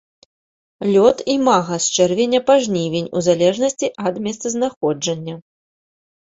Лёт імага з чэрвеня па жнівень у залежнасці ад месцазнаходжання.